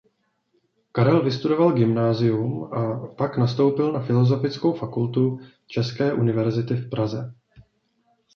Karel vystudoval gymnázium a pak nastoupil na Filozofickou fakultu české univerzity v Praze.